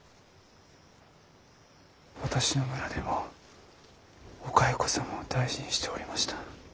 私の村でもお蚕様を大事にしておりました。